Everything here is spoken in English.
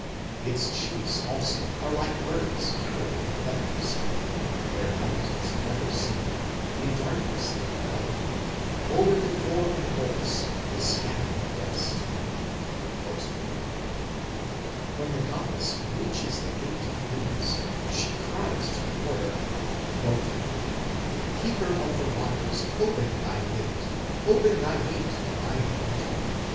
Its chiefs also are like birds covered with feathers; The light is never seen, in darkness they dwell.... Over the door and bolts is scattered dust. When the goddess reaches the gate of Hades she cries to the porter: Keeper of the waters, open thy gate, Open thy gate that I may enter.